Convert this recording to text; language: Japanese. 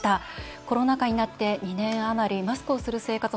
コロナ禍になって２年余りマスクをする生活